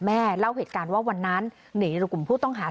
เล่าเหตุการณ์ว่าวันนั้นหนีหรือกลุ่มผู้ต้องหา